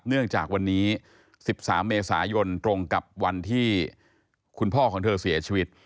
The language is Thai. เนื่องจากวันนี้๑๓เมษายนตรงกับวันที่คุณพ่อของเธอเสียชีวิต